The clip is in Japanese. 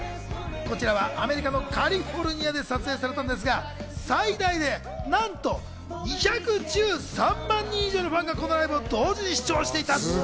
こちらはアメリカのカリフォルニアで撮影されたんですが、最大でなんと２１３万人以上のファンがこのライブを同時に視聴をしていたんです。